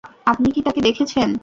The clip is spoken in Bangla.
আপনি কি তাকে দেখেছেন?